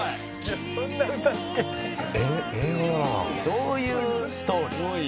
「どういうストーリー？」